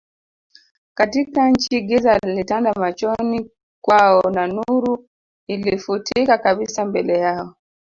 katika nchi Giza lilitanda machoni kwao na nuru ilifutika kabisa mbele yao